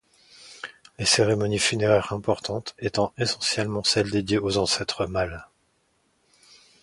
Les cérémonies funéraires importantes étant essentiellement celles dédiées aux ancêtres mâles.